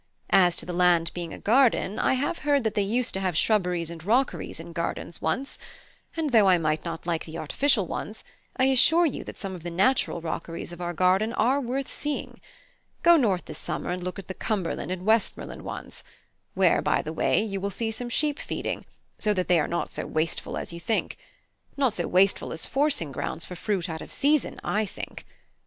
As to the land being a garden, I have heard that they used to have shrubberies and rockeries in gardens once; and though I might not like the artificial ones, I assure you that some of the natural rockeries of our garden are worth seeing. Go north this summer and look at the Cumberland and Westmoreland ones, where, by the way, you will see some sheep feeding, so that they are not so wasteful as you think; not so wasteful as forcing grounds for fruit out of season, I think.